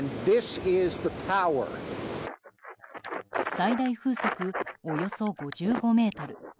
最大風速およそ５５メートル。